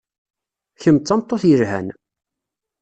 Kemm d tameṭṭut yelhan.